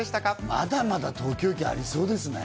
まだまだ東京駅ありそうですね。